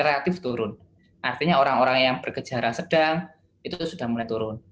relatif turun artinya orang orang yang berkejaran sedang itu sudah mulai turun